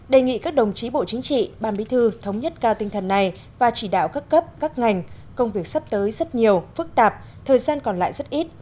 đề nghị các đồng chí bộ chính trị ban bí thư thống nhất cao tinh thần này và chỉ đạo các cấp các ngành công việc sắp tới rất nhiều phức tạp thời gian còn lại rất ít